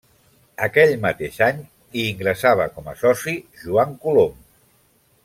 Aquell mateix any hi ingressava com a soci Joan Colom.